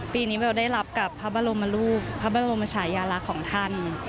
ปีนี้เบลได้รับกับพระบรมรูปพระบรมชายาลักษณ์ของท่าน